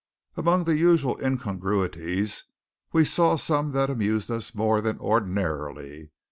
Among the usual incongruities we saw some that amused us more than ordinarily.